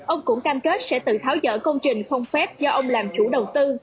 ông cũng cam kết sẽ tự tháo dỡ công trình không phép do ông làm chủ đầu tư